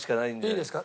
いいですか？